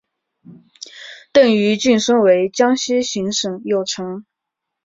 邓愈晋升为江西行省右丞。